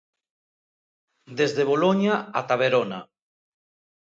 Desde Boloña ata Verona.